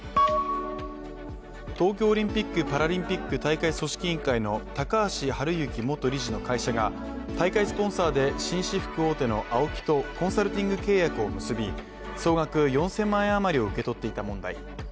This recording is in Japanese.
東京オリンピック・パラリンピック大会組織委員会の高橋治之元理事の会社が大会スポンサーで紳士服大手のＡＯＫＩとコンサルティング契約を結び総額４０００万円余りを受け取っていた問題。